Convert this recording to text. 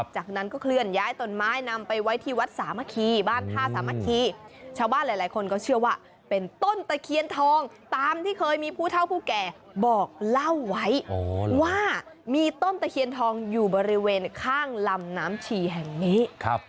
จากนั้นก็เคลื่อนย้ายต้นไม้นำไปไว้ที่วัดสามัคคีบ้านท่าสามัคคีชาวบ้านหลายคนก็เชื่อว่าเป็นต้นตะเคียนทองตามที่เคยมีผู้เท่าผู้แก่บอกเล่าไว้ว่ามีต้นตะเคียนทองอยู่บริเวณข้างลำน้ำชีแห่งนี้